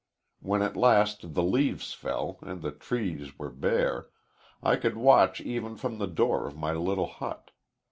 When at last the leaves fell, and the trees were bare, I could watch even from the door of my little hut.